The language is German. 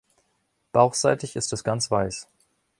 Bauchseitig ist es ganz weiß.